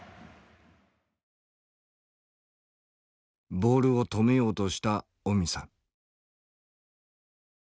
ボールを止めようとしたオミさん。